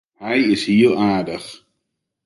Hy is hiel aardich.